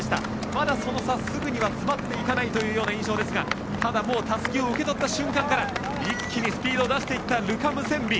まだその差すぐには詰まっていかないというような印象ですがただ、たすきを受け取った瞬間から一気にスピードを出していったルカ・ムセンビ。